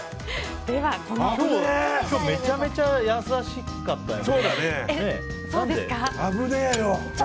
今日めちゃめちゃ優しかったね。